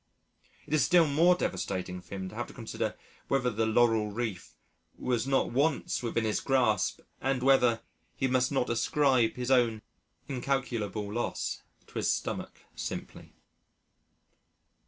It is still more devastating for him to have to consider whether the laurel wreath was not once within his grasp, and whether he must not ascribe his own incalculable loss to his stomach simply.